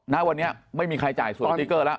ณวันนี้ไม่มีใครจ่ายส่วนสติ๊กเกอร์แล้ว